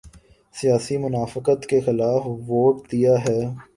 سیاسی منافقت کے خلاف ووٹ دیا ہے۔